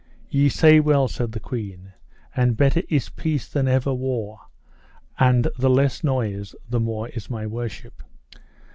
Ye say well, said the queen, and better is peace than ever war, and the less noise the more is my worship.